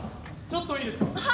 ちょっといいですか？